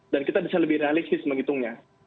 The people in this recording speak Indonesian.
dan kita bisa lebih realistis menghitungnya